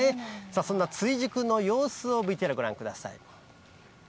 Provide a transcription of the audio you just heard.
そんな追熟の様子をＶＴＲご覧ください。